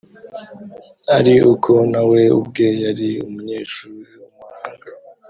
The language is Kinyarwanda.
ari uko na we ubwe yari umunyeshuri w’umuhanga